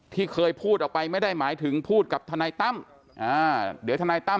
ที่เคยพูดออกไปไม่ได้หมายถึงพูดกับทนายตั้มอ่าเดี๋ยวทนายตั้ม